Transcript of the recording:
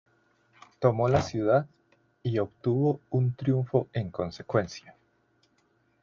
Tomó la ciudad, y obtuvo un triunfo en consecuencia.